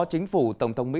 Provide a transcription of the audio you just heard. chính phủ tổng thống mỹ